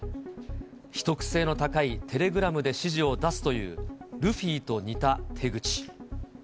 秘匿性の高いテレグラムで指示を出すというルフィと似た手口。